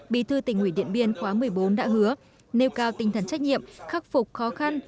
bí thư tỉnh ủy điện biên khóa một mươi bốn đã hứa nêu cao tinh thần trách nhiệm khắc phục khó khăn